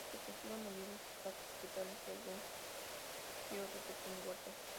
Se cultivan olivos, escasos frutales y algún que otro pequeño huerto.